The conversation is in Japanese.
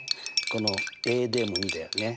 このＡＤも２だよね。